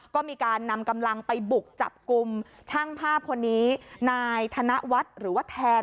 ก็มีการนำกำลังไปบุกจับกลุ่มช่างภาพคนนี้นายธนวัฒน์หรือว่าแทน